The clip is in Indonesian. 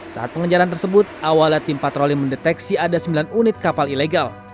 saat pengejaran tersebut awalnya tim patroli mendeteksi ada sembilan unit kapal ilegal